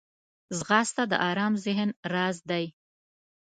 ځغاسته د ارام ذهن راز دی